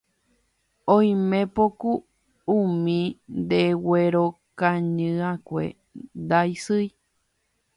Oimépoku umi ndeguerokañy'akue ndaisýi